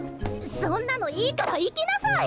そんなのいいからいきなさい！！